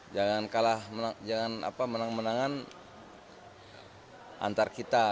jangan kalah jangan menang menangan antar kita